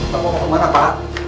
bapak mau kemana pak